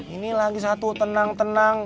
ini lagi satu tenang tenang